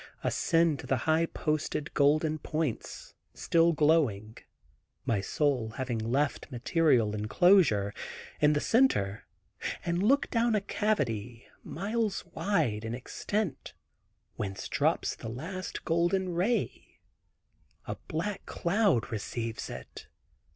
Ascend to the high poised golden points, still glowing, (my soul having left material enclosure) in the center, and look down a cavity miles wide in extent, whence drops the last golden ray; a black cloud receives it.